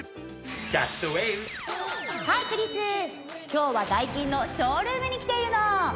今日はダイキンのショールームに来ているの。